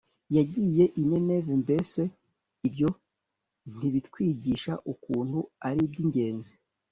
yagiye i nineve mbese ibyo ntibitwigisha ukuntu ari iby ingenzi